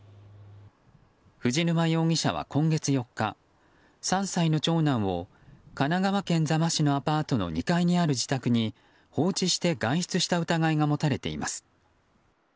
藤沼容疑者は今月４日、３歳の長男を神奈川県座間市のアパートの２階にある自宅に放置して外出した疑いが持たれています。